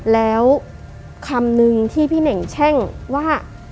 แล้วคำนึงที่พี่เน่งแช่งว่า